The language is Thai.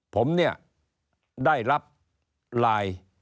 ผมได้รับไลน์